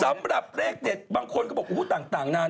สำหรับเลขเด็ดบางคนก็บอกต่างนาน